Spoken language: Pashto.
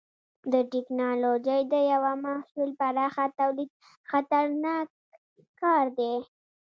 د ټېکنالوجۍ د یوه محصول پراخه تولید خطرناک کار دی.